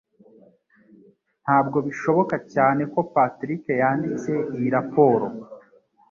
Ntabwo bishoboka cyane ko Patrick yanditse iyi raporo.